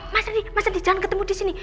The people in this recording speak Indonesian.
mas rendy mas rendy jangan ketemu di sini